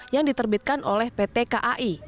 yang diterbitkan oleh pt kai